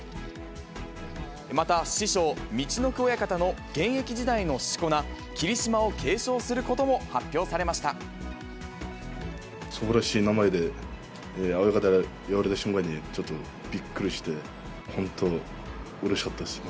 また師匠、陸奥親方の現役時代のしこ名、霧島を継承することも発表されますばらしい名前で、親方から言われた瞬間に、ちょっとびっくりして、本当、うれしかったです。